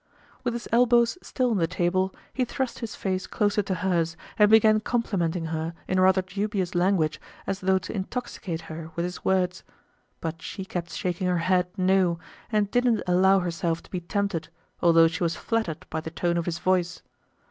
With his elbows still on the table, he thrust his face closer to hers and began complimenting her in rather dubious language as though to intoxicate her with his words. But she kept shaking her head "no," and didn't allow herself to be tempted although she was flattered by the tone of his voice.